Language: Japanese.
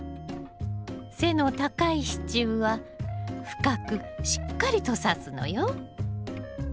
背の高い支柱は深くしっかりとさすのよ。